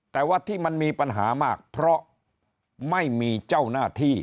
แต่ว่าที่มันมีปัญหามากเพราะไม่มีเจ้าหน้าที่